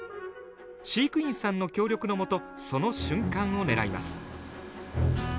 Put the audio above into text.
飼育員さんの協力の下その瞬間を狙います。